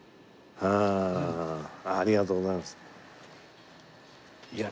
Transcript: ありがとうございます。